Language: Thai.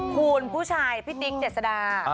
คุณผู้ชายพี่ติ๊กเจษดา